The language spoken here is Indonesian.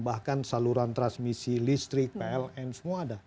bahkan saluran transmisi listrik pln semua ada